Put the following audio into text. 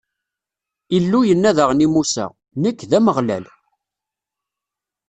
Illu yenna daɣen i Musa: Nekk, d Ameɣlal.